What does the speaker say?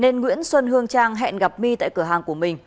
nên nguyễn xuân hương trang hẹn gặp my tại cửa hàng của mình